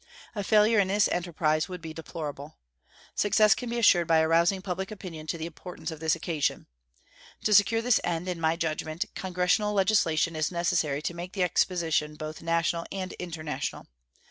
A failure in this enterprise would be deplorable. Success can be assured by arousing public opinion to the importance of the occasion. To secure this end, in my judgment, Congressional legislation is necessary to make the exposition both national and international.